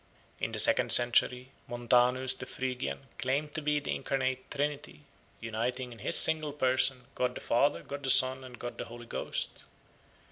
In the second century Montanus the Phrygian claimed to be the incarnate Trinity, uniting in his single person God the Father, God the Son, and God the Holy Ghost.